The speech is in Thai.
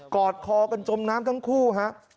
อดคอกันจมน้ำทั้งคู่ฮะ